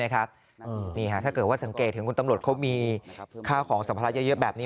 ถ้าเกิดว่าสังเกตถึงคุณตำรวจเขามีค่าของสัมภาระเยอะแบบนี้